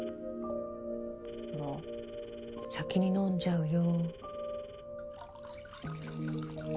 もう先に飲んじゃうよ。